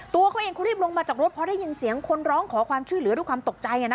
ตัวเขาเองเขารีบลงมาจากรถเพราะได้ยินเสียงคนร้องขอความช่วยเหลือด้วยความตกใจ